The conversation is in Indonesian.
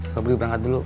sobri berangkat dulu